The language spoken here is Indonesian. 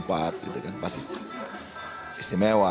provinsi ada tiga puluh empat pasti istimewa